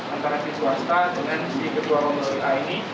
antara si swasta dengan si ketua komunitas ini